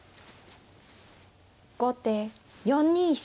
後手４二飛車。